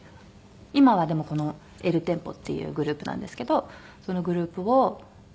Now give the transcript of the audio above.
今はでもこのｅｌｔｅｍｐｏっていうグループなんですけどそのグループを。